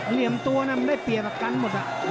เหลี่ยมตัวมันได้เปรียบกันหมด